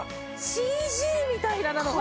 ＣＧみたいな菜の花。